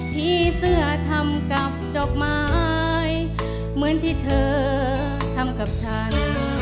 พี่เสื้อทำกับดอกไม้เหมือนที่เธอทำกับฉัน